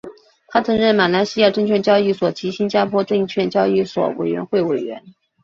他曾任马来西亚证券交易所及新加坡证券交易所委员会会员。